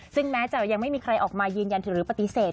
ซึ่งแม้จะยังไม่มีใครออกมายืนยันถึงหรือปฏิเสธ